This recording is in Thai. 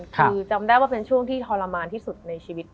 คือจำได้ว่าเป็นช่วงที่ทรมานที่สุดในชีวิต